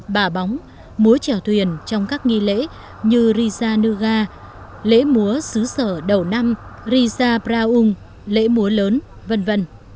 bà bóng múa chèo thuyền trong các nghi lễ như rizhanuga lễ múa xứ sở đầu năm rizha praung lễ múa lớn v v